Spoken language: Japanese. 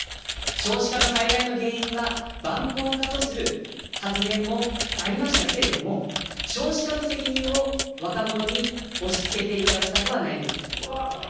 少子化の最大の原因は、晩婚化とする発言もありましたけれども、少子化の責任を若者に押しつけていただきたくはないです。